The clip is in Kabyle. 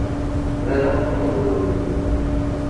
D abandu n ubruri.